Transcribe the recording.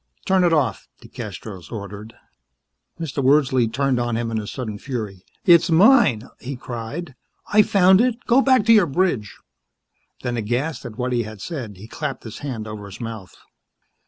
"Turn it off," DeCastros ordered. Mr. Wordsley turned on him in a sudden fury. "It's mine," he cried. "I found it! Go back to your bridge." Then, aghast at what he had said, he clapped his hand over his mouth.